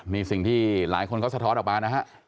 นี่สิ่งที่หลายคนเขาสะท้อนออกมานะฮะ